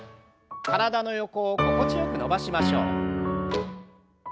体の横を心地よく伸ばしましょう。